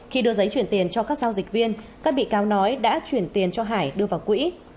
khi đưa giấy chuyển tiền cho các giao dịch viên các bị cáo nói đã chuyển tiền cho hải đưa vào quỹ